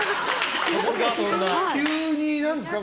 急に何ですか。